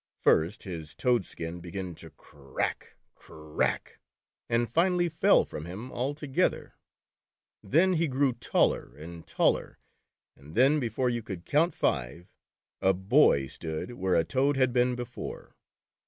First, his toad skin began to " c r r r rack, c r r r ^ rack," and finally fell from ^ him altogether ; then he grew taller and taller, and then before you could count five, a day stood where a toad had been before